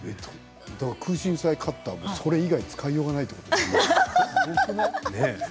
クウシンサイカッターはそれ以外に使いようがそうですね。